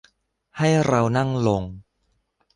ให้เรานั่งลง